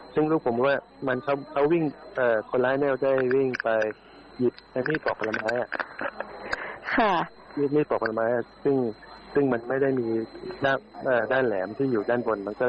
เจ้ายงเจือนโคลมขามป